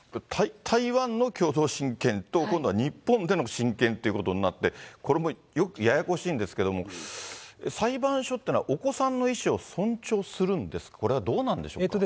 台湾の共同親権と、今度は日本での親権ということになって、これもややこしいんですけども、裁判所っていうのは、お子さんの意思を尊重するんですか、これはどうなんでしょうか。